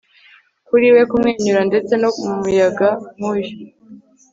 kuriwe kumwenyura, ndetse no mumuyaga nkuyu